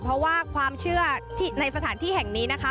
เพราะว่าความเชื่อที่ในสถานที่แห่งนี้นะคะ